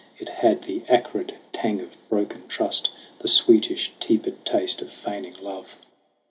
It had the acrid tang of broken trust, The sweetish, tepid taste of feigning love